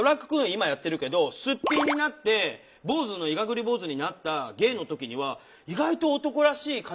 今やってるけどすっぴんになって坊主のいがぐり坊主になったゲイの時には意外と男らしい髪形にしたいとか。